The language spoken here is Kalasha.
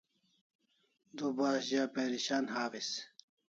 Du bas za perishan hawis